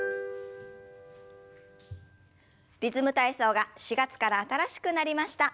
「リズム体操」が４月から新しくなりました。